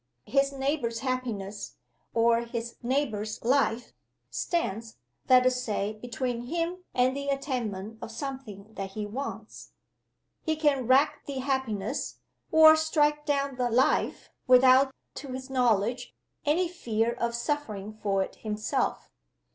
His neighbor's happiness, or his neighbor's life, stands, let us say, between him and the attainment of something that he wants. He can wreck the happiness, or strike down the life, without, to his knowledge, any fear of suffering for it himself.